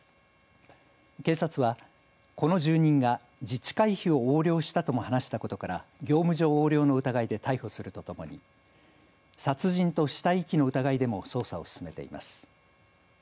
警察は、この住人が自治会費を横領したとも話したことから業務上横領の疑いで逮捕するとともに殺人と死体遺棄の疑いでも捜査を進めています。